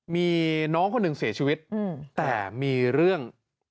มีน้องคนหนึ่งเสียชีวิตแต่มีเรื่อง